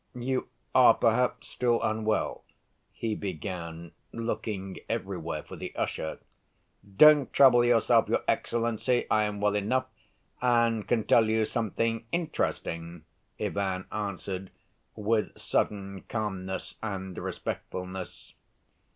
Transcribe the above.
"You ... are perhaps still unwell?" he began, looking everywhere for the usher. "Don't trouble yourself, your excellency, I am well enough and can tell you something interesting," Ivan answered with sudden calmness and respectfulness.